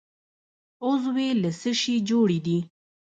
عضوې له څه شي جوړې دي؟